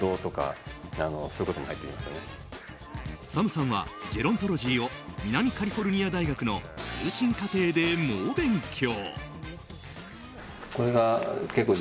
ＳＡＭさんはジェロントロジーを南カリフォルニア大学の通信課程で猛勉強。